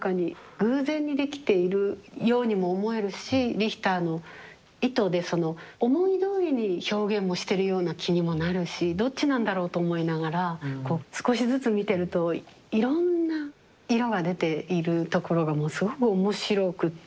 偶然にできているようにも思えるしリヒターの意図でその思いどおりに表現もしてるような気にもなるしどっちなんだろうと思いながらこう少しずつ見てるといろんな色が出ているところがもうすごく面白くって。